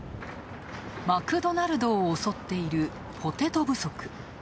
マクドナルドを襲っているポテト不足。